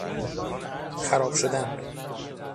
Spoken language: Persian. خراب شدن